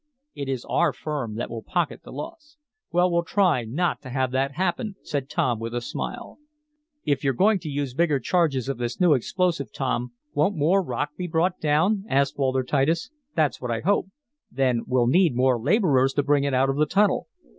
It is our firm that will pocket the loss." "Well, we'll try not to have that happen," said Tom, with a smile. "If you're going to use bigger charges of this new explosive, Tom, won't more rock be brought down?" asked Walter Titus. "That's what I hope." "Then we'll need more laborers to bring it out of the tunnel."